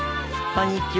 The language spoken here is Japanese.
こんにちは。